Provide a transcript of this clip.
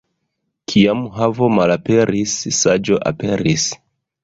Kiam havo malaperis, saĝo aperis.